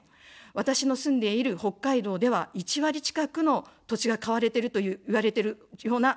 私の住んでいる北海道では、１割近くの土地が買われていると言われてるような状況になっています。